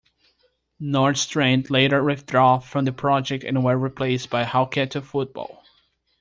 Nordstrand later withdrew from the project and were replaced by Hauketo Fotball.